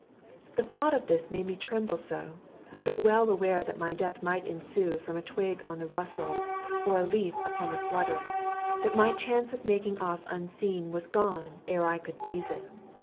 The thought of this made me tremble so, though well aware that my death might ensue from a twig on the rustle, or a leaf upon the flutter, that my chance of making off unseen was gone ere I could seize it.